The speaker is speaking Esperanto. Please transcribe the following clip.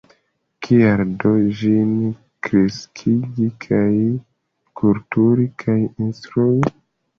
Kial do ĝin kreskigi kaj kulturi kaj instrui?